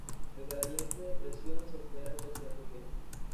El gradiente de presión se espera que sea pequeño.